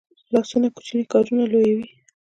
لاسونه کوچني کارونه لویوي